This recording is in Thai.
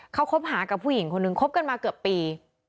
เขาคบหากับผู้หญิงคนหนึ่งคบกันมาเกือบปี